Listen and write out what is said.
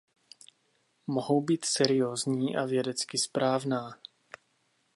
Mohou být seriózní a vědecky správná.